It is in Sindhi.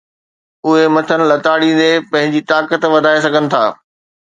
اُھي مٿن لتاڙيندي پنھنجي طاقت وڌائي سگھن ٿا